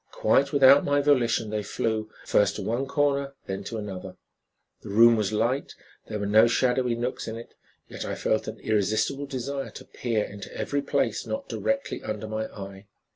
Quite without my volition they flew, first to one corner, then to another. The room was light, there were no shadowy nooks in it, yet I felt an irresistible desire to peer into every place not directly under my eye.